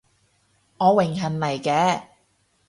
我榮幸嚟嘅